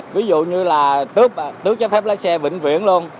ví dụ như là tước chấp phép lái xe vĩnh viễn luôn